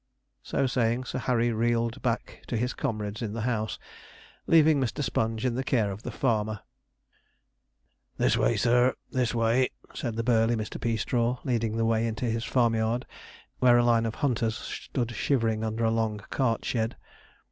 So saying, Sir Harry reeled back to his comrades in the house, leaving Mr. Sponge in the care of the farmer. 'This way, sir; this way,' said the burly Mr. Peastraw, leading the way into his farmyard, where a line of hunters stood shivering under a long cart shed.